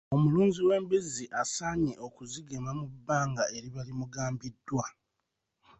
Omulunzi w'embizzi asaanye okuzigema mu bbanga eriba limugambiddwa.